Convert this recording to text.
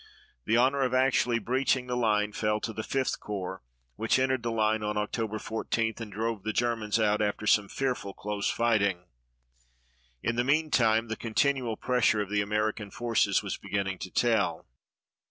The honor of actually breaching the line fell to the Fifth Corps, which entered the line on October 14 and drove the Germans out after some fearful close fighting. In the meantime the continual pressure of the American forces was beginning to tell.